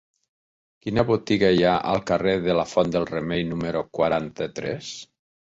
Quina botiga hi ha al carrer de la Font del Remei número quaranta-tres?